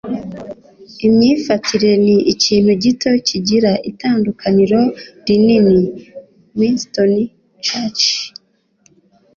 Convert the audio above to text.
imyifatire ni ikintu gito kigira itandukaniro rinini. - winston churchill